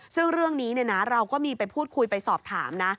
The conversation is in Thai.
ซึ่งเรื่องนี้เราก็มีไปพูดคุยไปสอบถามนะ